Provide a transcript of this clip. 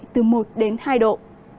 từ một đến hai độ